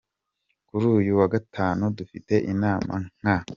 Kuri uyu wa Gatanu dufite inama nka